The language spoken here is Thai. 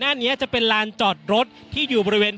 อย่างที่บอกไปว่าเรายังยึดในเรื่องของข้อ